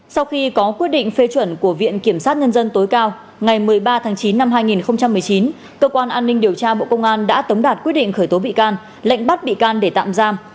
sau khi có quyết định phê chuẩn của viện kiểm sát nhân dân tối cao ngày một mươi ba tháng chín năm hai nghìn một mươi chín cơ quan an ninh điều tra bộ công an đã tống đạt quyết định khởi tố bị can lệnh bắt bị can để tạm giam